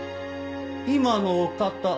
今のお方